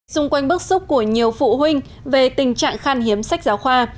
xung quanh bức xúc của nhiều phụ huynh về tình trạng khan hiếm sách giáo khoa